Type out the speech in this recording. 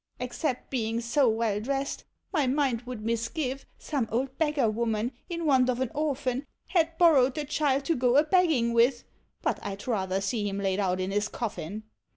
Except being so well dressed, my mind would mis give, some old beggar woman, in want of an orphan, Had borrowed the child to go a begging with, but I 'd rather see him laid out in his coffin